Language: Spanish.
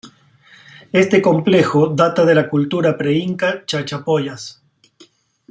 Este complejo data de la cultura pre-inca Chachapoyas.